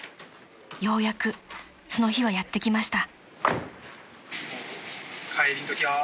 ［ようやくその日はやって来ました］